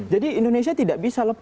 jadi indonesia tidak bisa lempar